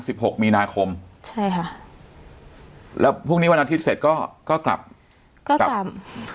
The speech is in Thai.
หกมีนาคมใช่ค่ะแล้วพรุ่งนี้วันอาทิตย์เสร็จก็ก็กลับก็กลับ